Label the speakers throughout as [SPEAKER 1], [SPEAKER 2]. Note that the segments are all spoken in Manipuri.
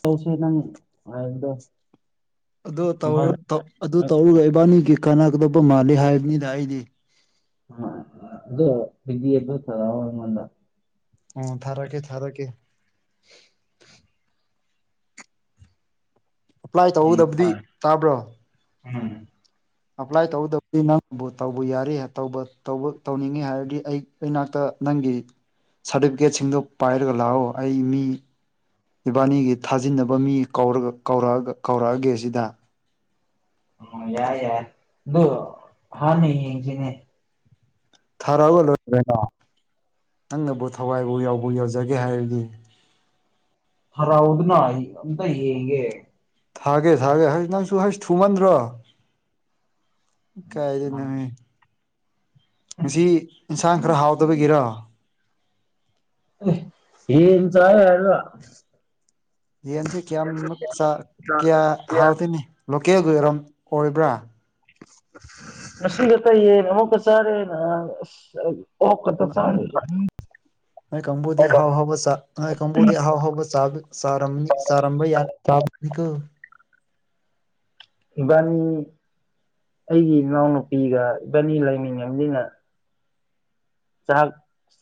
[SPEAKER 1] ꯇꯧꯁꯦ ꯅꯪ ꯍꯥꯏꯞꯗꯣ
[SPEAKER 2] ꯑꯗꫭ [unintelligible] ꯑꯗꯨ ꯇꯧꯔꯒ ꯏꯕꯥꯅꯤꯒꯤ ꯀꯥꯟꯅꯒꯗꯕ ꯃꯥꯜꯂꯦ ꯍꯥꯏꯕꯅꯤꯗ ꯑꯩꯗꯤ
[SPEAKER 1] ꯑꯥ ꯑꯗꯨꯗꯣ [unintelligible]
[SPEAKER 2] ꯑꯣ ꯊꯔꯛ ꯀꯦ ꯊꯔꯛ ꯀꯦ ꯑꯦꯄ꯭ꯂꯥꯏ
[SPEAKER 1] ꯎꯝ
[SPEAKER 2] ꯇꯧꯍꯧꯗꯕꯗꯤ ꯇꯥꯕ꯭ꯔꯣ
[SPEAKER 1] ꯎꯝ
[SPEAKER 2] ꯑꯄ꯭ꯂꯥꯏ ꯇꯧꯗꯕꯗꯤ ꯅꯪꯕꯨ ꯇꯧꯕ ꯌꯥꯔꯦ ꯇꯧꯕ ꯇꯧꯅꯤꯡꯉꯦ ꯍꯥꯏꯔꯗꯤ ꯑꯩ ꯑꯩꯅꯥꯛꯇ ꯅꯪꯒꯤ ꯁꯥꯔꯇꯤꯐꯤꯀꯦꯠꯁꯤꯡꯗꯣ ꯄꯥꯏꯔꯒ ꯂꯥꯛꯑꯣ ꯑꯩ ꯃꯤ ꯏꯕꯥꯅꯤꯒꯤ ꯊꯥꯖꯤꯟꯅꯕ ꯃꯤ ꯀꯧꯔꯛꯑꯒꯦ ꯁꯤꯗ
[SPEAKER 1] ꯎꯝ ꯌꯥꯏ ꯌꯥꯏ ꯑꯗꯣ ꯍꯥꯥꯟ ꯌꯦꯡꯁꯤꯅꯦ
[SPEAKER 2] ꯊꯥꯔꯥꯒꯂꯣꯏ ꯀꯩꯅꯣ ꯅꯪꯅꯕꯨ ꯊꯋꯥꯏꯕꯨ ꯌꯥꯎꯕ ꯌꯧꯖꯒꯦ ꯍꯥꯏꯔꯗꯤ
[SPEAKER 1] ꯍꯔꯥꯎꯗꯅ ꯑꯝꯇ ꯌꯦꯡꯒꯦ
[SPEAKER 2] ꯊꯥꯒꯦ ꯊꯥꯒꯦ ꯍꯁ ꯅꯪꯁꯨ ꯍꯁ ꯊꯨꯃꯟꯗ꯭ꯔꯣ ꯀꯥꯏꯗ ꯅꯃꯤ ꯉꯁꯤ ꯏꯟꯁꯥꯡ ꯈꯔ ꯍꯥꯎꯗꯕꯒꯤꯔꯣ
[SPEAKER 1] ꯌꯦꯟ ꯆꯔ ꯍꯥꯏꯜ
[SPEAKER 2] ꯌꯦꯟꯁꯦ ꯀꯌꯥꯃꯨꯛ ꯆꯥ ꯀꯌꯥ ꯍꯥꯎꯇꯦꯅꯦ ꯂꯣꯀꯦꯜꯒꯤ ꯑꯣꯏꯔꯝ ꯑꯣꯏꯕ꯭ꯔꯥ
[SPEAKER 1] [unintelligible] ꯑꯣꯀ ꯀ ꯆꯥꯡ
[SPEAKER 2] ꯅꯣꯏ ꯀꯥꯡꯕꯨꯗꯤ ꯑꯍꯥꯎ ꯍꯥꯎꯕ ꯆꯥ ꯅꯣꯏ ꯀꯥꯡꯕꯨꯗꯤ ꯑꯍꯥꯎ ꯍꯥꯎꯕ ꯆꯥ ꯆꯔꯝꯅꯤ ꯆꯥꯔꯝꯕ ꯌꯥꯅꯤ ꯀꯣ
[SPEAKER 1] ꯏꯕꯥꯅꯤ ꯑꯩꯒꯤ ꯏꯅꯥꯎꯅꯨꯄꯤꯒ ꯏꯕꯥꯅꯤ ꯂꯥꯏꯃꯤ ꯥꯥꯥꯅꯝꯅꯤꯅ ꯆꯥꯛ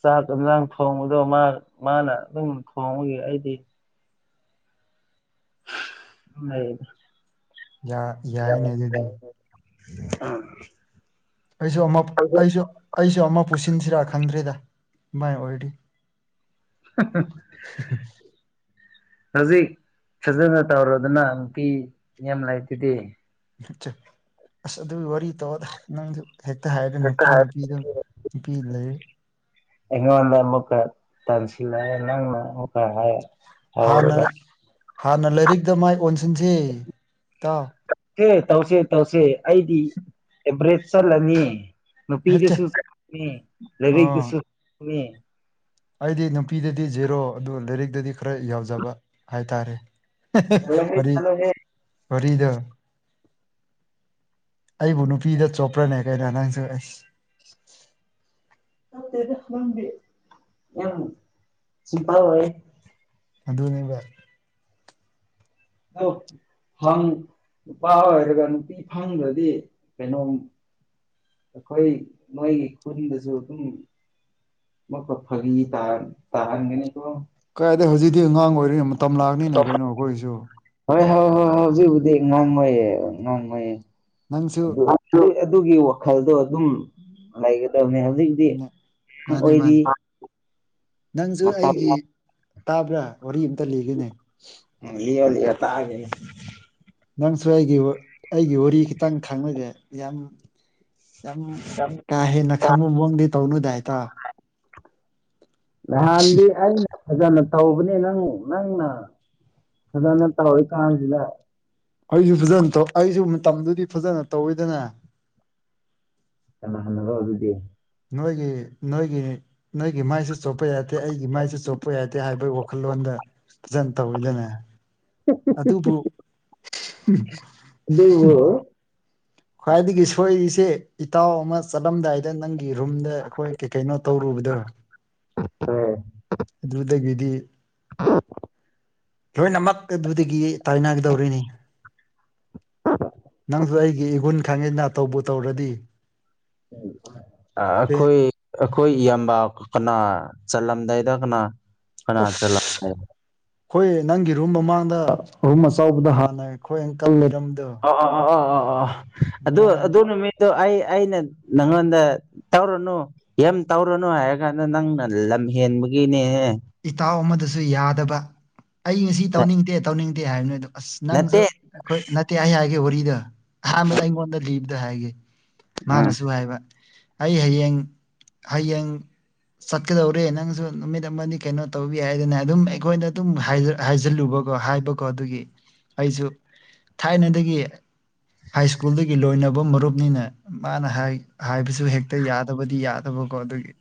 [SPEAKER 1] ꯆꯥꯛ ꯑꯦꯟꯖꯥꯡ ꯊꯣꯡꯕꯗꯣ ꯃꯥ ꯃꯥꯅ ꯑꯗꯨꯝ ꯊꯣꯡꯕꯒꯤ ꯑꯩꯗꯤ ꯂꯩ
[SPEAKER 2] ꯌꯥ ꯌꯥꯏꯅꯦ ꯑꯗꯨꯗꯤ
[SPEAKER 1] ꯑꯥ
[SPEAKER 2] ꯑꯩꯁꯨ ꯑꯃ ꯑꯩꯁꯨ ꯑꯩꯁꯨ ꯑꯃ ꯄꯨꯁꯤꯟꯁꯤꯔꯥ ꯈꯪꯗ꯭ꯔꯤꯗ ꯃꯥꯏ ꯑꯣꯏꯔꯗꯤ [inaudible]
[SPEAKER 1] ꯍꯧꯖꯤꯛ ꯐꯖꯅ ꯇꯧꯔꯣꯗꯅ ꯅꯨꯄꯤ ꯌꯥꯝ ꯂꯩꯇꯗꯤ
[SPEAKER 2] ꯑꯁ ꯑꯗꯨꯒꯤ ꯋꯥꯔꯤ ꯇꯣꯛꯑꯣꯗ ꯅꯪꯁꯨ ꯍꯦꯛꯇ ꯍꯥꯏꯔꯒ
[SPEAKER 1] ꯍꯦꯛꯇ
[SPEAKER 2] ꯅꯨꯄꯤ
[SPEAKER 1] ꯍꯥꯏ
[SPEAKER 2] ꯅꯨꯄꯤꯗꯨꯝ ꯅꯨꯄꯤ ꯂꯩ
[SPEAKER 1] ꯑꯩꯉꯣꯟꯗ ꯑꯃꯨꯛꯀ ꯇꯟꯁꯤꯜꯂꯛ ꯑꯦ ꯅꯪꯅ ꯃꯨꯛ
[SPEAKER 2] ꯍꯥꯟꯅ ꯍꯥꯟꯅ ꯂꯥꯏꯔꯤꯛꯇ ꯃꯥꯏ ꯑꯣꯟꯁꯤꯟꯁꯦ ꯇꯥꯎ
[SPEAKER 1] ꯑꯦ ꯇꯧꯁꯦ ꯇꯧꯁꯦ ꯑꯩꯗꯤ ꯑꯦꯚꯔꯦꯁ ꯆꯠꯂꯅꯤ
[SPEAKER 2] ꯑꯆꯥ
[SPEAKER 1] ꯅꯨꯄꯤꯗꯁꯨ ꯆꯠꯅꯤ
[SPEAKER 2] ꯑꯥ
[SPEAKER 1] ꯂꯥꯏꯔꯤꯛꯇꯁꯨ ꯆꯠꯅꯤ
[SPEAKER 2] ꯑꯩꯗꯤ ꯅꯨꯄꯤꯗꯗꯤ ꯖꯦꯔꯣ ꯑꯗꯨ ꯂꯥꯏꯔꯤꯛꯇꯗꯤ ꯈꯔ ꯌꯥꯎꯖꯕ ꯍꯥꯏ ꯇꯥꯔꯦ ꯍꯦꯍꯦ
[SPEAKER 1] ꯆꯠꯂꯣꯍꯦ
[SPEAKER 2] ꯋꯥꯔꯤ
[SPEAKER 1] ꯆꯠꯂꯣꯍꯦ
[SPEAKER 2] ꯋꯥꯔꯤꯗꯣ ꯑꯩꯕꯨ ꯅꯨꯄꯤꯗ ꯆꯣꯞꯄ꯭ꯔꯅꯦ ꯀꯩꯅꯣ ꯅꯪꯁꯨ ꯑꯩꯁ
[SPEAKER 1] ꯈꯪꯗꯦꯗ ꯗ ꯅꯪꯗꯤ ꯌꯥꯝ ꯆꯤꯄ ꯑꯣꯏꯌꯦ
[SPEAKER 2] ꯑꯗꯨꯅꯦꯕ
[SPEAKER 1] ꯑꯧ ꯪꯐꯪ ꯅꯨꯄꯥ ꯑꯣꯏꯔꯒ ꯅꯨꯄꯤ ꯐꯪꯗ꯭ꯔꯗꯤ ꯀꯩꯅꯣꯝ ꯑꯩꯈꯣꯏ ꯅꯣꯏꯒꯤ ꯈꯨꯟꯗꯁꯨ ꯑꯗꯨꯝ ꯃꯛꯀ ꯐꯒꯤ ꯇꯥ ꯇꯥꯍꯟꯒꯅꯤꯀꯣ
[SPEAKER 2] ꯀꯥꯏꯗꯩ ꯍꯧꯖꯤꯛꯇꯤ ꯑꯉꯥꯡ ꯑꯣꯏꯔꯤ ꯃꯇꯝ ꯂꯥꯛꯅꯤꯅꯦ ꯀꯩꯅꯣ ꯑꯩꯈꯣꯏꯁꯨ
[SPEAKER 1] ꯍꯣꯏ ꯍꯣꯏ ꯍꯣꯏ ꯍꯧꯖꯤꯛꯕꯨꯗꯤ ꯉꯥꯡꯉꯣꯏꯌꯦ ꯉꯥꯡꯉꯣꯏꯌꯦ
[SPEAKER 2] ꯅꯪꯁꯨ
[SPEAKER 1] ꯑꯗꯨ ꯑꯗꯨ ꯑꯗꯨꯒꯤ ꯋꯥꯈꯜꯗꯣ ꯑꯗꯨꯝ ꯂꯩꯒꯗꯕꯅꯤ ꯍꯧꯖꯤꯛꯤ
[SPEAKER 2] ꯃꯥꯅꯤ
[SPEAKER 1] ꯑꯣꯏꯔꯤ
[SPEAKER 2] ꯃꯥꯅꯤ ꯅꯪꯁꯨ
[SPEAKER 1] ꯃꯇꯝ
[SPEAKER 2] ꯑꯩꯒꯤ ꯇꯥꯕ꯭ꯔꯥ ꯋꯥꯔꯤ ꯑꯃꯝꯇ ꯂꯤꯒꯦꯅꯦ
[SPEAKER 1] ꯌꯥ ꯇꯒꯤꯅꯤ
[SPEAKER 2] ꯅꯪꯁꯨ ꯑꯩꯒꯤ ꯑꯩꯒꯤ ꯋꯥꯔꯤ ꯈꯤꯇꯪ ꯈꯥꯡꯂꯒꯦ ꯌꯥꯝ ꯌꯥꯝ ꯀꯥ ꯍꯦꯟꯅ ꯈꯪꯕ ꯃꯑꯣꯡꯗꯤ ꯇꯧꯅꯨꯗꯥ ꯏꯇꯥꯎ
[SPEAKER 1] ꯅꯍꯥꯟꯗꯤ ꯑꯩꯅ ꯐꯖꯅ ꯇꯧꯕꯅꯤ ꯅꯪ ꯅꯪꯅ ꯐꯖꯅ ꯇꯧꯔꯤꯀꯥꯟꯁꯤꯗ
[SPEAKER 2] ꯑꯩꯁꯨ ꯐꯖꯅ ꯇꯧ ꯑꯩꯁꯨ ꯃꯇꯝꯗꯨꯗꯤ ꯐꯖꯅ ꯇꯧꯋꯤꯗꯅ
[SPEAKER 1] ꯆꯅꯥ ꯍꯅꯒ ꯑꯗꯨꯗꯤ
[SPEAKER 2] ꯅꯣꯏꯒꯤ ꯅꯣꯏꯒꯤ ꯅꯣꯏꯒꯤ ꯃꯥꯏꯁꯨ ꯆꯣꯞꯄ ꯌꯥꯗꯦ ꯑꯩꯒꯤ ꯃꯥꯏꯁꯨ ꯆꯣꯞꯄ ꯌꯥꯗꯦ ꯍꯥꯏꯕꯒꯤ ꯋꯥꯈꯜꯂꯣꯟꯗ ꯑꯦꯛꯖꯥꯝ ꯇꯧꯋꯤꯗꯅ
[SPEAKER 1] [unintelligible]
[SPEAKER 2] ꯎꯝ [unintelligible]
[SPEAKER 1] ꯑꯗꯨꯕꯨ
[SPEAKER 2] ꯈ꯭ꯋꯥꯏꯗꯒꯤ ꯁꯣꯏꯔꯤꯁꯦ ꯏꯇꯥꯎ ꯑꯃ ꯆꯠꯂꯝꯗꯥꯏꯗ ꯅꯪ ꯔꯨꯝꯗ ꯑꯩꯈꯣꯏ ꯀꯩ ꯀꯩꯅꯣ ꯇꯧꯔꯨꯕꯗꯣ
[SPEAKER 1] ꯍꯣꯏ
[SPEAKER 2] ꯑꯗꯨꯗꯒꯤꯗꯤ
[SPEAKER 1] [unintelligible]
[SPEAKER 2] ꯂꯣꯏꯅꯃꯛ ꯑꯗꯨꯗꯒꯤ ꯇꯥꯏꯅꯒꯗꯧꯔꯤꯅꯤ ꯅꯪꯁꯨ ꯑꯩꯒꯤ ꯏꯒꯨꯟ ꯈꯪꯉꯤꯅ ꯇꯧꯕꯨ ꯇꯧꯔꯗꯤ
[SPEAKER 1] ꯑꯥ
[SPEAKER 2] ꯑꯦ
[SPEAKER 1] ꯑꯩꯈꯣꯏ ꯑꯈꯣꯏ ꯏꯌꯥꯝꯕꯥ ꯀꯅꯥ ꯆꯠꯂꯝꯗꯥꯏ ꯁꯤꯗ ꯀꯅꯥ ꯀꯅꯥ
[SPEAKER 2] ꯑꯁ
[SPEAKER 1] ꯆꯂꯝꯒꯦ
[SPEAKER 2] ꯑꯩꯈꯣꯏ ꯅꯪꯒꯤ ꯔꯨꯝ ꯃꯃꯥꯡꯗ ꯔꯨꯝ ꯑꯆꯧꯕꯗ ꯍꯥꯟꯅꯩ ꯑꯩꯈꯣꯏ ꯑꯪꯀꯜꯂ
[SPEAKER 1] ꯑꯣ ꯑꯣ ꯑꯣ ꯑꯣ ꯑꯣ ꯑꯣ ꯑꯗꯨ
[SPEAKER 2] ꯃꯥ
[SPEAKER 1] ꯑꯗꯨ ꯅꯨꯃꯤꯠꯇꯣ ꯑꯩ ꯑꯩꯅ ꯅꯪꯉꯣꯟꯗ ꯇꯧꯔꯨꯅꯨ ꯌꯥꯝ ꯇꯧꯔꯨꯅꯨ ꯍꯥꯏꯔ ꯀꯥꯟꯗ ꯅꯪꯅ ꯂꯝ ꯍꯦꯟꯕ ꯕꯒꯤꯅꯦ
[SPEAKER 2] ꯏꯇꯥꯎ ꯑꯃꯗꯨꯁꯨ ꯌꯥꯗꯕ ꯑꯩ ꯉꯁꯤ ꯇꯧꯅꯤꯡꯗꯦ ꯇꯧꯅꯤꯡꯗꯦ ꯍꯥꯏꯕꯅꯤ ꯑꯗꯣ ꯑꯁ ꯅꯪꯁꯨ
[SPEAKER 1] ꯅꯠꯇꯦ
[SPEAKER 2] ꯑꯩꯈꯣꯏ ꯅꯠꯇꯦ ꯑꯩ ꯍꯥꯏꯒꯦ ꯋꯥꯔꯤꯗꯣ ꯑꯍꯥꯟꯕꯗ ꯑꯩꯉꯣꯟꯗ ꯂꯤꯕꯗ ꯍꯥꯏꯒꯦ
[SPEAKER 1] ꯎꯝ
[SPEAKER 2] ꯃꯥꯅꯁꯨ ꯍꯥꯏꯕ ꯑꯩ ꯍꯌꯦꯡ ꯍꯌꯦꯡ ꯆꯠꯀꯗꯧꯔꯦ ꯅꯪꯁꯨ ꯅꯨꯃꯤꯠ ꯑꯃ ꯅꯤ ꯀꯩꯅꯣ ꯇꯧꯕꯤ ꯌꯥꯏꯗꯅ ꯑꯗꯨꯝ ꯑꯩꯈꯣꯏꯅ ꯑꯗꯨꯝ ꯍꯥꯏꯖꯤꯜꯂꯨꯕꯀꯣ ꯍꯥꯏꯕꯀꯣ ꯑꯗꯨꯒꯤ ꯑꯩꯁꯨ ꯊꯥꯏꯅꯗꯒꯤ ꯍꯥꯏ ꯁ꯭ꯀꯨꯜꯗꯒꯤ ꯂꯣꯏꯅꯕ ꯕ ꯃꯔꯨꯞꯅꯤꯅ ꯃꯥꯅ ꯍꯥꯏꯕꯁꯨ ꯍꯦꯛꯇ ꯌꯥꯗꯕꯗꯤ ꯌꯥꯗꯕꯀꯣ ꯑꯗꯨꯒꯤ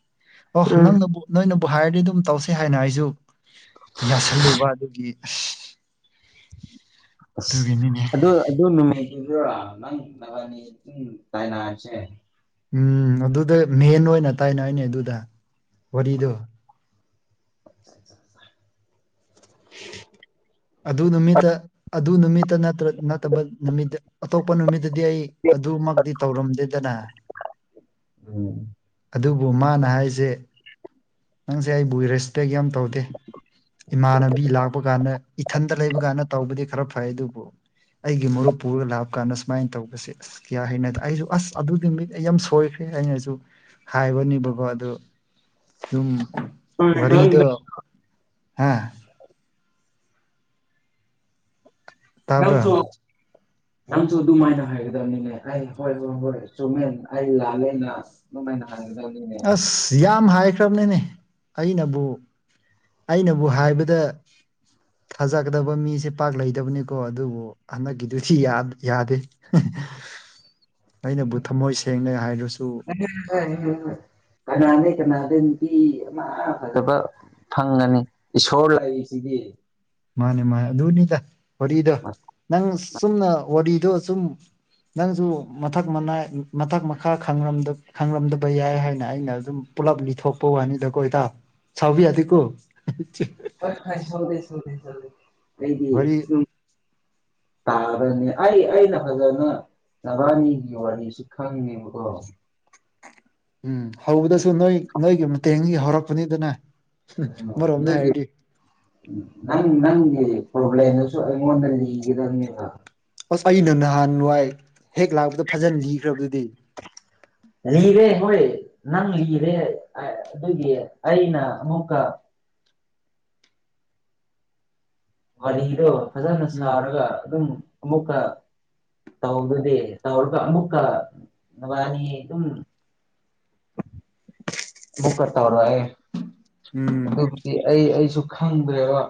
[SPEAKER 2] ꯑꯣ
[SPEAKER 1] ꯎꯝ
[SPEAKER 2] ꯅꯪꯅꯕꯨ ꯅꯣꯏꯅꯕꯨ ꯍꯥꯏꯔꯗꯤ ꯑꯗꯨꯝ ꯇꯧꯁꯦ ꯁꯦ ꯍꯥꯏꯅ ꯑꯩꯁꯨ ꯌꯥꯁꯜꯂꯨꯕ ꯑꯗꯨꯒꯤ
[SPEAKER 1] ꯑꯁ
[SPEAKER 2] ꯑꯗꯨꯒꯤꯅꯤꯅꯦ
[SPEAKER 1] ꯑꯗꯨ ꯑꯗꯨ ꯅꯨꯃꯤꯠ ꯅꯪ ꯃꯕꯥꯅꯤ ꯎ ꯇꯥꯏꯅꯁꯦ
[SPEAKER 2] ꯎꯝ ꯑꯗꯨꯗ ꯃꯦꯟ ꯑꯣꯏꯅ ꯇꯥꯏꯅ ꯑꯅꯦ ꯑꯗꯨꯗ ꯋꯥꯔꯤꯗꯣ
[SPEAKER 1] [unintelligible]
[SPEAKER 2] ꯑꯗꯨ ꯅꯨꯃꯤꯠꯇ ꯑꯗꯨ ꯅꯨꯃꯤꯠꯇ ꯅꯠꯇꯕ ꯅꯨꯃꯤꯠꯇ ꯑꯇꯣꯞꯄ ꯅꯨꯃꯤꯠꯇꯗꯤ ꯑꯩ ꯑꯗꯨꯃꯛꯇꯤ ꯇꯧꯔꯝꯗꯦꯗꯅ
[SPEAKER 1] ꯎꯝ
[SPEAKER 2] ꯑꯗꯨ ꯃꯥꯅ ꯍꯥꯏꯁꯦ ꯅꯪꯁꯦ ꯑꯩꯕꯨ ꯔꯦꯁꯄꯦꯛ ꯌꯥꯝ ꯇꯧꯗꯦ ꯏꯃꯥꯟꯅꯕꯤ ꯂꯥꯛꯄ ꯀꯥꯟꯗ ꯏꯊꯟꯗ ꯂꯩꯕ ꯀꯥꯟꯗ ꯇꯧꯕꯗꯤ ꯈꯔ ꯐꯩ ꯑꯗꯨꯕꯨ ꯑꯩꯒꯤ ꯃꯨꯞ ꯄꯨꯔꯒ ꯂꯥꯞꯄꯀꯥꯟꯗ ꯁꯨꯃꯥꯏꯅ ꯇꯧꯕꯁꯦ ꯑꯁ ꯀꯌꯥ ꯍꯩꯅꯗꯦ ꯑꯩꯁꯨ ꯑꯁ ꯑꯗꯨꯒꯤ ꯃꯤꯠꯇ ꯑꯩ ꯌꯥꯝ ꯁꯣꯏꯈ꯭ꯔꯦ ꯑꯩꯅꯁꯨ ꯍꯥꯏꯕꯅꯦꯕꯀꯣ ꯑꯗꯨ ꯑꯗꯨꯝ
[SPEAKER 1] ꯅꯪ
[SPEAKER 2] ꯋꯥꯔꯤꯗꯣ ꯍꯥ ꯇꯥꯕ꯭ꯔꯥ
[SPEAKER 1] ꯅꯪꯁꯨ ꯅꯪꯁꯨ ꯑꯗꯨꯃꯥꯏꯅ ꯍꯥꯏꯒꯗꯕꯅꯤꯅꯦ ꯑꯩ ꯍꯣꯏ ꯍꯣꯏ ꯍꯣꯏ ꯆꯨꯝꯃꯦꯟ ꯑꯩ ꯂꯥꯜꯂꯦꯅ ꯑꯗꯨꯃꯥꯏꯅ ꯍꯥꯏꯒꯗꯕꯅꯤꯅꯦ
[SPEAKER 2] ꯑꯁ ꯌꯥꯝ ꯍꯥꯏꯈ꯭ꯔꯕꯅꯤꯅꯦ ꯑꯩꯅꯕꯨ ꯑꯩꯅꯕꯨ ꯍꯥꯏꯕꯗ ꯊꯥꯖꯒꯗꯕ ꯃꯤꯁꯦ ꯄꯥꯛ ꯂꯩꯗꯕꯅꯤꯀꯣ ꯑꯗꯨꯕꯨ ꯍꯟꯗꯛꯀꯤꯗꯨꯗꯤ ꯌꯥꯗꯦ [inaudible] ꯑꯩꯅꯕꯨ ꯊꯃꯣꯏ ꯁꯦꯡꯅ ꯍꯥꯏꯔꯁꯨ
[SPEAKER 1] ꯀꯅꯥ ꯂꯩ ꯀꯅꯥꯗ ꯅꯨꯄꯤ ꯑꯃ ꯐꯖꯕ ꯐꯪꯒꯅꯤ ꯏꯁꯣꯔ ꯂꯩꯔꯤꯁꯤꯒꯤ
[SPEAKER 2] ꯃꯥꯅꯦ ꯃꯥꯅꯦ ꯑꯗꯨꯅꯤꯗ ꯋꯥꯔꯤꯗꯣ ꯅꯪ ꯁꯨꯝꯅ ꯋꯥꯔꯤꯗꯣ ꯁꯨꯝ ꯅꯪꯁꯨ ꯃꯊꯛ ꯃꯅꯥꯏ ꯃꯊꯛ ꯃꯈꯥ ꯈꯪꯔꯝꯗ ꯈꯪꯔꯝꯗꯕ ꯌꯥꯏ ꯍꯥꯏꯅ ꯑꯩꯅ ꯑꯗꯨꯝ ꯄꯨꯜꯂꯞ ꯂꯤꯊꯣꯛꯄ ꯋꯥꯅꯤꯗꯀꯣ ꯏꯇꯥꯎ ꯁꯥꯎꯕ ꯌꯥꯗꯦꯀꯣ
[SPEAKER 1] ꯍꯣꯏ ꯍꯣꯏ ꯁꯥꯎꯗꯦ ꯁꯥꯎꯗꯦ ꯁꯥꯎꯗꯦ ꯑꯩꯗꯤ
[SPEAKER 2] ꯋꯥꯔꯤ
[SPEAKER 1] ꯍꯝ
[SPEAKER 2] [inaudible]
[SPEAKER 1] ꯇꯥꯕ꯭ꯔꯥꯅꯦ ꯑꯩ ꯑꯩꯅ ꯐꯖꯅ ꯅꯕꯥꯅꯤꯒꯤ ꯋꯥꯅꯤ ꯁꯤ ꯈꯪꯗꯦꯕꯀꯣ
[SPEAKER 2] ꯎꯝ ꯍꯧꯕꯗꯁꯨ ꯅꯣꯏ ꯅꯣꯏꯒꯤ ꯃꯇꯦꯡꯗꯒꯤ ꯍꯧꯔꯛꯄꯅꯤꯗꯅ ꯑꯃꯔꯣꯝꯗ
[SPEAKER 1] ꯅꯪꯒꯤ
[SPEAKER 2] ꯍꯥꯏꯔꯗꯤ
[SPEAKER 1] ꯅꯪ ꯅꯪꯒꯤ ꯄꯣꯕ꯭ꯂꯦꯝꯗꯨꯁꯨ ꯑꯩꯉꯣꯟꯗ ꯂꯤꯒꯗꯕꯅꯦꯕ
[SPEAKER 2] ꯑꯁ ꯑꯩꯅ ꯅꯍꯥꯟ ꯋꯥꯏ ꯍꯦꯛ ꯂꯥꯛꯄꯗ ꯐꯖꯅ ꯂꯤꯈ꯭ꯔꯕꯗꯨꯗꯤ
[SPEAKER 1] ꯂꯤꯔꯦ ꯍꯣꯏ ꯅꯪ ꯂꯤꯔꯦ ꯑꯗꯨꯒꯤ ꯑꯩꯅ ꯑꯃꯨꯛꯀ ꯋꯥꯂꯤꯗꯣ ꯐꯖꯅ
[SPEAKER 2] ꯎꯝ
[SPEAKER 1] ꯁꯥꯔꯒ ꯑꯗꯨꯝ ꯑꯃꯨꯛꯀ ꯇꯧꯗꯗꯤ ꯇꯧꯔꯒ ꯑꯃꯨꯛꯀ ꯋꯥꯅꯤ ꯑꯗꯨꯝ ꯃꯨꯛꯀ ꯇꯧꯔꯛꯑꯦ
[SPEAKER 2] ꯎꯝ
[SPEAKER 1] ꯑꯗꯨꯕꯨꯗꯤ ꯑꯩ ꯑꯩꯁꯨ ꯈꯪꯗ꯭ꯔꯦꯕ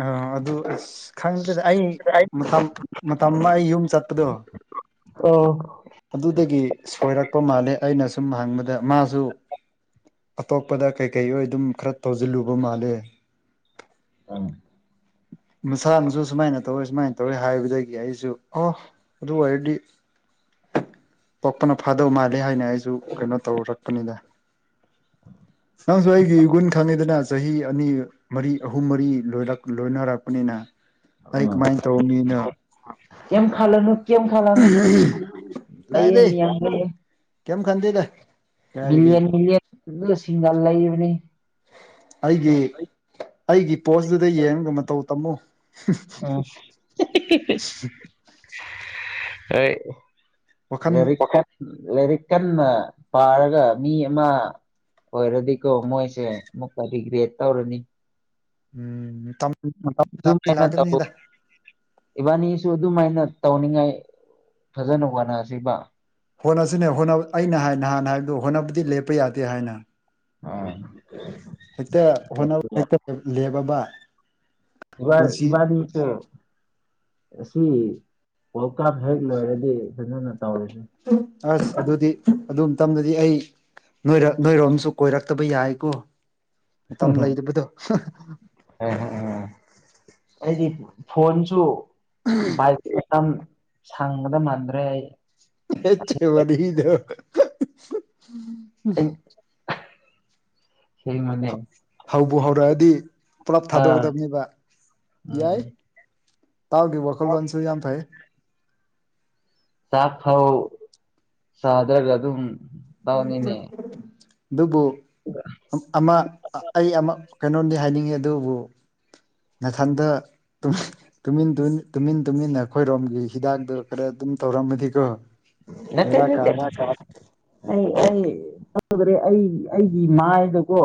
[SPEAKER 2] ꯑ ꯑꯗꯨ ꯑꯁ ꯈꯪꯗꯗꯦꯗ ꯑꯩ ꯃꯇꯝ ꯃꯇꯝ ꯑꯃ ꯑꯩ ꯌꯨꯝ ꯆꯠꯄꯗꯣ
[SPEAKER 1] ꯀꯥ
[SPEAKER 2] ꯑꯗꯨꯗꯒꯤ ꯁꯣꯏꯔꯛꯄ ꯃꯥꯜꯂꯦ ꯑꯩꯅ ꯁꯨꯝ ꯍꯪꯕꯗ ꯃꯥꯁꯨ ꯑꯇꯣꯞꯄꯗ ꯀꯩꯀꯩ ꯑꯣꯏ ꯑꯗꯨꯝ ꯈꯔ ꯇꯧꯁꯤꯜꯂꯨꯕ ꯃꯥꯜꯂꯦ
[SPEAKER 1] ꯑꯪ
[SPEAKER 2] ꯃꯁꯥꯅꯁꯨ ꯁꯨꯃꯥꯏꯅ ꯇꯧꯋꯦ ꯁꯨꯃꯥꯏꯅ ꯇꯧꯋꯦ ꯍꯥꯏꯕꯗꯒꯤ ꯑꯩꯁꯨ ꯑꯣ ꯑꯗꯨ ꯑꯣꯏꯔꯗꯤ ꯄꯣꯛꯄꯅ ꯐꯥꯗꯧ ꯃꯥꯜꯂꯦ ꯍꯥꯏꯅ ꯑꯩꯁꯨ ꯀꯩꯅꯣ ꯇꯧꯔꯛꯄꯅꯤꯗ ꯅꯪꯁꯨ ꯑꯩꯒꯤ ꯏꯒꯨꯟ ꯈꯪꯉꯤꯗꯅ ꯆꯍꯤ ꯑꯅꯤ ꯃꯔꯤ ꯑꯍꯨꯝ ꯃꯔꯤ ꯂꯣꯏꯔꯛ ꯂꯣꯏꯅꯔꯛꯄꯅꯤꯅ ꯑꯩ ꯀꯃꯥꯏ ꯇꯧꯕ ꯃꯤꯅꯣ
[SPEAKER 1] ꯀꯦꯝ ꯈꯥꯜꯂꯅꯨ ꯀꯝ ꯈꯜꯂꯅꯨ ꯂꯩꯌꯦ
[SPEAKER 2] ꯀꯥꯏꯗꯩ
[SPEAKER 1] ꯃꯤꯌꯥꯝ ꯂꯩꯌꯦ
[SPEAKER 2] ꯀꯩꯝ ꯈꯟꯗꯦꯗ ꯀꯥꯏꯗꯤ
[SPEAKER 1] ꯃꯤꯂꯤꯌꯟ ꯃꯤꯂꯤꯌꯟ ꯐꯖꯅ ꯁꯤꯡꯅ ꯂꯩꯕꯅꯤ
[SPEAKER 2] ꯑꯩꯒꯤ ꯑꯩꯒꯤ ꯄꯣꯁꯇꯨꯗ ꯌꯦꯡꯒ ꯃꯇꯧ ꯇꯝꯃꯨ
[SPEAKER 1] ꯎꯝ ꯍꯣꯏ
[SPEAKER 2] ꯋꯥꯈꯜ
[SPEAKER 1] ꯂꯥꯏꯔꯤꯛ ꯂꯥꯏꯔꯤꯛ ꯀꯟꯅ ꯄꯥꯔꯒ ꯃꯤ ꯑꯃ ꯑꯣꯏꯔꯗꯤꯀꯣ ꯃꯣꯏꯁꯦ ꯑꯃꯨꯛꯀ ꯔꯤꯒ꯭ꯔꯦꯠ ꯇꯧꯔꯅꯤ
[SPEAKER 2] ꯎꯝ ꯂꯥꯛꯇꯤ
[SPEAKER 1] ꯑꯗꯨꯃꯥꯏꯅ ꯇꯧ
[SPEAKER 2] ꯂꯥꯛꯀꯅꯤꯗ
[SPEAKER 1] ꯏꯕꯅꯤꯁꯨ ꯑꯗꯨꯃꯥꯏꯅ ꯇꯧꯅꯤꯡꯉꯥꯏ ꯐꯖꯅ ꯍꯣꯠꯅꯁꯤꯕ
[SPEAKER 2] ꯍꯣꯠꯅꯁꯤꯅꯦ ꯍꯣꯠ ꯑꯩꯅ ꯍꯥꯏ ꯅꯍꯥꯟ ꯍꯥꯏꯕꯗꯨ ꯍꯣꯠꯅꯕꯗꯤ ꯂꯦꯞꯄ ꯌꯥꯗꯦ ꯍꯥꯏꯅ ꯍꯦꯛꯇ ꯍꯣꯠꯅꯕ ꯍꯦꯛꯇ ꯂꯦꯞꯕꯕ
[SPEAKER 1] ꯏꯕ ꯏꯕꯅꯤꯁꯦ ꯑꯁꯤ ꯋꯥꯔꯜ ꯀꯞ ꯍꯦꯛ ꯂꯣꯏꯔꯗꯤ ꯐꯖꯅ ꯇꯧꯔꯖꯤ
[SPEAKER 2] ꯑꯁ ꯑꯗꯨꯗꯤ ꯑꯗꯨ ꯃꯇꯝꯗꯗꯤ ꯑꯩ ꯅꯣꯏꯔ ꯅꯣꯏꯔꯣꯝꯁꯨ ꯀꯣꯏꯔꯛꯇꯕ ꯌꯥꯏꯀꯣ ꯃꯇꯝ ꯂꯩꯇꯕꯗꯣ ꯍꯥ
[SPEAKER 1] ꯍꯥꯏꯗꯤ ꯐꯣꯟꯁꯨꯝ ꯄꯥꯏꯗꯦ ꯊꯝ ꯁꯪꯕꯗ ꯃꯥꯟꯗ꯭ꯔꯦ ꯑꯩ
[SPEAKER 2] [unintelligible] ꯋꯥꯔꯤꯗꯣ
[SPEAKER 1] ꯀꯩꯅꯣꯅꯦ
[SPEAKER 2] ꯍꯧꯕꯨ ꯍꯧꯔꯛꯑꯗꯤ ꯄꯨꯂꯞ ꯊꯗꯣꯛꯀꯗꯕꯅꯦꯕ
[SPEAKER 1] ꯎꯝ
[SPEAKER 2] ꯌꯥꯏ ꯇꯥꯎꯒꯤ ꯋꯥꯈꯜꯂꯣꯟꯁꯨ ꯌꯥꯝ ꯐꯩ
[SPEAKER 1] ꯆꯥꯛ ꯐꯧ ꯁꯥꯗ꯭ꯔꯒ ꯑꯗꯨꯝ ꯇꯧꯅꯤꯅꯦ
[SPEAKER 2] ꯑꯗꯨꯕꯨ ꯑꯃ ꯑꯩ ꯑꯃ ꯀꯩꯅꯣꯝꯗꯤ ꯍꯥꯏꯅꯤꯡꯉꯤ ꯑꯗꯨꯕꯨ ꯅꯊꯟꯗ ꯇꯨꯝ ꯇꯨꯃꯤꯟ ꯇꯨꯃꯤꯟꯅ ꯑꯈꯣꯏꯔꯣꯝꯒꯤ ꯍꯤꯗꯥꯛꯗꯣ ꯈꯔ ꯑꯗꯨꯝ ꯇꯧꯔꯝꯃꯗꯤ ꯀꯣ
[SPEAKER 1] ꯅꯠꯇꯦ ꯅꯠꯇꯦ ꯑꯩ ꯑꯩ ꯆꯠꯗ꯭ꯔꯦ ꯑꯩ ꯑꯩꯒꯤ ꯃꯥꯏꯗꯀꯣ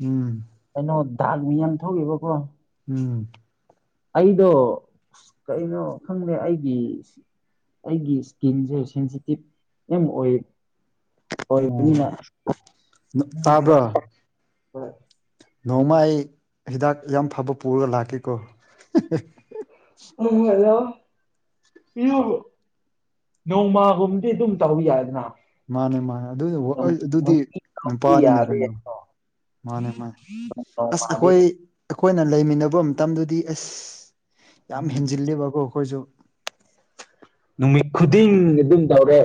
[SPEAKER 2] ꯎꯝ
[SPEAKER 1] ꯇꯥꯛ ꯃꯤ ꯌꯥꯝ ꯊꯣꯛꯑꯦꯕꯀꯣ
[SPEAKER 2] ꯎꯝ
[SPEAKER 1] ꯑꯩꯗꯣ ꯀꯩꯅꯣ ꯈꯪꯗꯦ ꯑꯩꯒꯤ ꯑꯩꯒꯤ ꯏꯁꯀꯤꯟꯖꯦ ꯁꯦꯟꯁꯤꯇꯤꯞ ꯌꯥꯝ ꯑꯣꯏ
[SPEAKER 2] ꯎꯝ
[SPEAKER 1] ꯑꯣꯏꯕꯅꯤꯅ
[SPEAKER 2] ꯅ ꯇꯕ꯭ꯔ ꯅꯣꯡꯃ ꯑꯩ ꯍꯤꯗꯥꯛ ꯌꯥꯝ ꯐꯕ ꯄꯨꯔꯒ ꯂꯥꯛꯀꯦꯀꯣ
[SPEAKER 1] [unintelligible] [unintelligible] ꯅꯣꯡꯃꯒꯨꯝꯕꯗꯤ ꯑꯗꯨꯝ ꯇꯧꯕ ꯌꯥꯏꯗꯅ
[SPEAKER 2] ꯃꯥꯅꯦ ꯃꯥꯅꯦ ꯑꯗꯨ ꯋꯥ
[SPEAKER 1] ꯅꯣꯡ
[SPEAKER 2] ꯑꯗꯨꯗꯤ
[SPEAKER 1] ꯅꯨꯡꯇꯤ ꯇꯧꯕꯗꯤ
[SPEAKER 2] ꯅꯨꯄꯥꯅꯤꯅ
[SPEAKER 1] ꯌꯥꯗꯦ
[SPEAKER 2] ꯀꯩꯅꯣ ꯃꯥꯅꯦ ꯃꯥꯅꯦ ꯑꯁ
[SPEAKER 1] ꯅꯣꯡꯃꯗꯤ
[SPEAKER 2] ꯑꯈꯣꯏ ꯈꯣꯏꯅ ꯂꯩꯃꯤꯟꯅꯕ ꯃꯇꯝꯗꯨꯗꯤ ꯑꯁ ꯌꯥꯝ
[SPEAKER 1] ꯎꯝ
[SPEAKER 2] ꯍꯦꯟꯖꯤꯜꯂꯦꯕꯀꯣ ꯈꯣꯏꯖꯨ
[SPEAKER 1] ꯅꯨꯃꯤꯠ ꯈꯨꯗꯤꯡꯒꯤ ꯑꯗꯨꯝ ꯇꯧꯔꯦ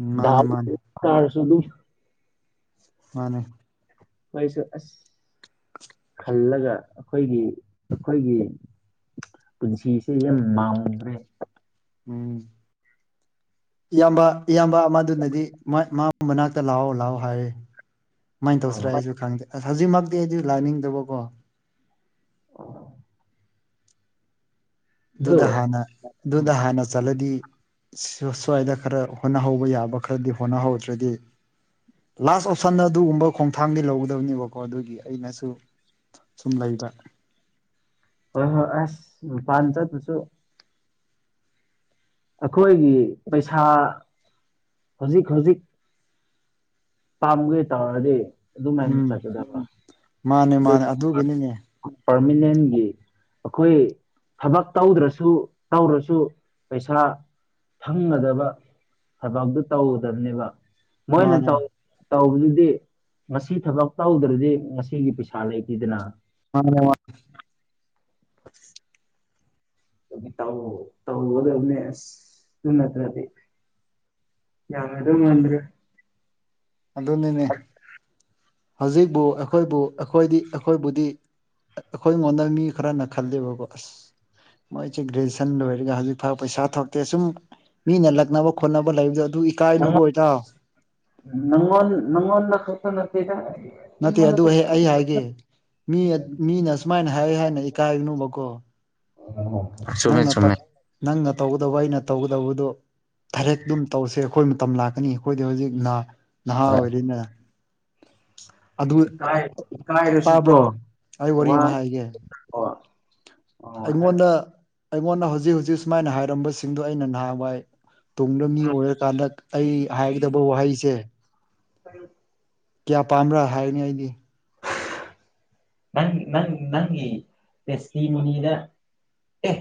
[SPEAKER 2] ꯎꯝ ꯃꯥꯅꯦ
[SPEAKER 1] ꯗꯥꯎ
[SPEAKER 2] ꯃꯥꯅꯦ
[SPEAKER 1] [unintelligible] ꯑꯗꯨꯝ
[SPEAKER 2] ꯃꯥꯅꯦ
[SPEAKER 1] ꯑꯩꯁꯦ ꯑꯁ ꯈꯜꯂꯒ ꯑꯈꯣꯏꯒꯤ ꯑꯈꯣꯏꯒꯤ ꯄꯨꯟꯁꯤꯁꯦ ꯌꯥꯝ ꯃꯥꯎꯟꯒ꯭ꯔꯦ
[SPEAKER 2] ꯎꯝ ꯏꯌꯥꯝꯕ ꯏꯌꯥꯝꯕ ꯑꯃꯗꯨꯅꯗꯤ ꯃꯥ ꯃꯥꯏꯃꯅꯥꯛꯇ ꯂꯥꯛꯑꯣ ꯂꯥꯛꯑꯣ ꯍꯥꯏꯌꯦ ꯀꯨꯃꯥꯏꯅ ꯇꯧꯁꯤꯔ
[SPEAKER 1] ꯑꯗꯨ
[SPEAKER 2] ꯑꯩꯁꯨ ꯈꯪꯗꯦ ꯑꯁ ꯍꯧꯖꯤꯛꯃꯛꯇꯤ ꯑꯩꯗꯤ ꯂꯥꯛꯅꯤꯡꯗꯕꯀꯣ
[SPEAKER 1] ꯑꯣ
[SPEAKER 2] ꯑꯗꯨꯗ ꯍꯥꯟꯅ ꯑꯗꯨꯗ ꯍꯥꯟꯅ ꯆꯠꯂꯗꯤ ꯁꯨ ꯁ꯭ꯋꯥꯏꯗ ꯈꯔ ꯍꯣꯠꯅꯍꯧꯕ ꯌꯥꯕ ꯈꯔꯗꯤ ꯍꯣꯠꯅꯍꯧꯗ꯭ꯔꯗꯤ ꯂꯥꯁ ꯑꯣꯞꯁꯟꯗ ꯑꯗꯨꯒꯨꯝꯕ ꯈꯣꯡꯊꯥꯡꯗꯤ ꯂꯧꯒꯗꯕꯅꯦꯕꯀꯣ ꯑꯗꯨꯒꯤ ꯑꯩꯅꯁꯨ ꯁꯨꯝ ꯂꯩꯕ
[SPEAKER 1] ꯍꯣꯏ ꯍꯣꯏ ꯑꯁ ꯃꯄꯥꯟ ꯆꯠꯄꯁꯨ ꯑꯈꯣꯏꯒꯤ ꯄꯩꯁꯥ ꯍꯧꯖꯤꯛ ꯍꯧꯖꯤꯛ ꯇꯥꯝꯒꯦ ꯇꯧꯔꯗꯤ ꯑꯗꯨꯝꯃꯥꯏꯅ
[SPEAKER 2] ꯎꯝ
[SPEAKER 1] ꯆꯠꯀꯗꯕ
[SPEAKER 2] ꯃꯥꯅꯦ ꯃꯥꯅꯦ
[SPEAKER 1] ꯑꯗꯨꯒ
[SPEAKER 2] ꯑꯗꯨꯒꯤꯅꯤꯅꯦ
[SPEAKER 1] ꯄꯥꯔꯃꯤꯅꯦꯟꯒꯤ ꯑꯈꯣꯏ ꯊꯕꯛ ꯇꯧꯗ꯭ꯔꯁꯨ ꯇꯧꯔꯁꯨ ꯄꯩꯁꯥ ꯐꯪꯒꯗꯕ ꯊꯕꯛꯇꯨ ꯇꯧꯒꯗꯝꯅꯦꯕ ꯃꯣꯏꯅ
[SPEAKER 2] ꯃꯥꯅꯦ
[SPEAKER 1] ꯇꯧ ꯇꯧꯕꯗꯨꯗꯤ ꯉꯁꯤ ꯊꯕꯛ ꯇꯧꯗ꯭ꯔꯗꯤ ꯉꯁꯤꯒꯤ ꯄꯩꯁꯥ ꯂꯩꯇꯦꯗꯅ
[SPEAKER 2] ꯃꯥꯅꯦ ꯃꯥ
[SPEAKER 1] [inaudible] ꯇꯧꯒꯗꯝꯅꯦ ꯑꯁ ꯑꯗꯨ ꯅꯠꯇ꯭ꯔꯗꯤ ꯌꯥꯒꯗꯧ ꯃꯥꯟꯗ꯭ꯔꯦ
[SPEAKER 2] ꯑꯗꯨꯅꯤꯅꯦ ꯍꯧꯖꯤꯛꯕꯨ ꯑꯩꯈꯣꯏꯕꯨ ꯑꯩꯈꯣꯏꯗꯤ ꯑꯈꯣꯏꯕꯨꯗꯤ ꯑꯈꯣꯏ ꯃꯣꯟꯗ ꯃꯤ ꯈꯔꯅ ꯈꯜꯂꯦꯕꯀꫭ ꯑꯁ ꯃꯣꯏꯖꯦ ꯒ꯭ꯔꯦꯖ꯭ꯋꯦꯁꯟ ꯂꯣꯏꯔꯒ ꯍꯧꯖꯤꯛ ꯐꯥꯎ ꯄꯩꯁꯥ ꯊꯣꯛꯇꯦ ꯁꯨꯝ ꯃꯤꯅ ꯂꯛꯅꯕ ꯈꯣꯠꯅꯕ ꯂꯩꯕꯗꯨ ꯑꯗꯨ ꯏꯀꯥꯏꯅꯨꯀꫭ ꯏꯇꯥꯎ
[SPEAKER 1] [unintelligible] ꯅꯪꯉꫭꯟꯗ ꯈꯛꯇ ꯅꯠꯇꯦꯗ
[SPEAKER 2] ꯅꯠꯇꯦ ꯑꯗꯨ
[SPEAKER 1] ꯑꯩꯉꯣꯟꯗꯁꯨ
[SPEAKER 2] ꯑꯩ ꯍꯥꯏꯒꯦ ꯃꯤ ꯃꯤꯅ ꯑꯁꯨꯝꯃꯥꯏꯅ ꯍꯥꯏ ꯍꯥꯏꯅ ꯏꯀꯥꯏꯅꯨꯕꯀꯣ
[SPEAKER 1] [inaudible]
[SPEAKER 2] ꯅꯪꯅ ꯇꯧ
[SPEAKER 1] ꯆꯨꯝꯃꯦ
[SPEAKER 2] ꯅꯪꯅ ꯇꯧꯒꯗꯕ ꯑꯩꯅ ꯇꯧꯒꯗꯕꯗꯣ ꯊꯔꯦꯛ ꯑꯗꯨꯝ ꯇꯧꯁꯦ ꯑꯈꯣꯏ ꯃꯇꯝ ꯂꯥꯛꯀꯅꯤ ꯑꯈꯣꯏꯗꯤ ꯍꯧꯖꯤꯛ ꯅꯥꯍꯥ
[SPEAKER 1] ꯍꯣꯏ
[SPEAKER 2] ꯑꯣꯏꯔꯤꯅ ꯑꯗꯨ
[SPEAKER 1] ꯏꯀꯥꯏ ꯏꯀꯥꯏꯔꯁꯨꯀꯣ
[SPEAKER 2] ꯇꯥꯕ꯭ꯔꯣ ꯑꯩ ꯋꯥꯔꯤ ꯑꯃ
[SPEAKER 1] ꯋꯥꯅꯀꯣ
[SPEAKER 2] ꯍꯥꯏꯒꯦ
[SPEAKER 1] ꯑꯣ ꯍꯥꯏꯔꯣ
[SPEAKER 2] ꯑꯩꯉꯣꯟꯗ ꯑꯩꯉꯣꯟꯗ ꯍꯧꯖꯤꯛ ꯍꯧꯖꯤꯛ ꯁꯨꯝꯃꯥꯏꯅ ꯍꯥꯏꯔꯝꯕꯁꯤꯡꯗꫭ ꯑꯩꯅ ꯅꯍꯥꯟꯋꯥꯏ ꯇꯨꯡꯗ ꯃꯤ ꯑꯣꯏꯔꯀꯥꯟꯗ ꯑꯩ ꯍꯥꯏꯒꯗꯕ ꯋꯥꯍꯩꯁꯦ
[SPEAKER 1] [unintelligible]
[SPEAKER 2] ꯀ꯭ꯌꯥ ꯄꯥꯝꯕ꯭ꯔ ꯍꯥꯏꯔꯅꯤ ꯑꯩꯗꯤ
[SPEAKER 1] ꯅꯪ ꯅꯪ ꯅꯪꯒꯤ ꯔꯁꯇꯤ ꯃꯨꯅꯤꯗ ꯑꯦ